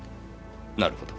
なるほど。